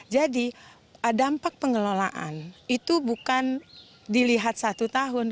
jadi dampak pengelolaan itu bukan dilihat satu tahun